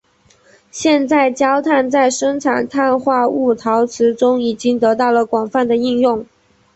现在焦炭在生产碳化物陶瓷中已经得到了广泛的应用。